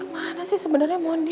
gimana sih sebenarnya mondi